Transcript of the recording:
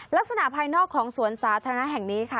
ภายนอกของสวนสาธารณะแห่งนี้ค่ะ